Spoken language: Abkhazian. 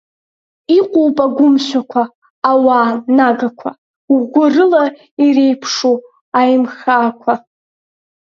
Иҟоуп агәымшәақәа, ауаа нагақәа, ӷәӷәарыла иреиԥшу Аимхаақәа.